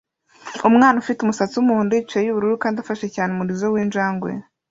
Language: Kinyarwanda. Umwana ufite umusatsi wumuhondo yicaye yubururu kandi afashe cyane umurizo winjangwe